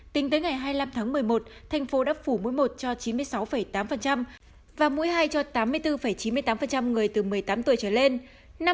tính tới ngày hai mươi năm tháng một mươi một thành phố đã phủ mũi một cho chín mươi sáu tám và mũi hai cho tám mươi bốn chín mươi tám người từ một mươi tám tuổi trở lên